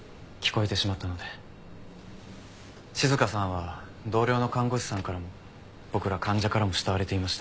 静香さんは同僚の看護師さんからも僕ら患者からも慕われていました。